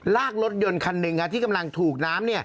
ลากรถยนต์คันหนึ่งที่กำลังถูกน้ำ